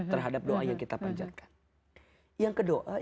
terhadap doa yang kita panjatkan